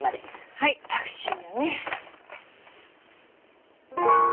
はいタクシーやね。